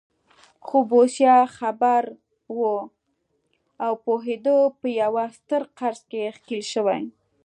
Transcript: خو بوسیا خبر و او پوهېده په یوه ستر قرض کې ښکېل شوی.